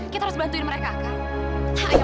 kita harus bantuin mereka kak